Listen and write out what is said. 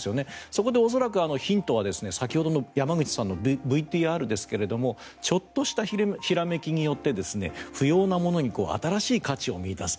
そこで恐らくヒントは先ほどの山口さんのＶＴＲですがちょっとしたひらめきによって不要なものに新しい価値を見いだす。